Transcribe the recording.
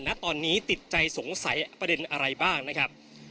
ณตอนนี้ติดใจสงสัยประเด็นอะไรบ้างนะครับ